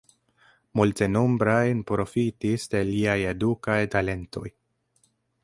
Multenombraj profitis de liaj edukaj talentoj.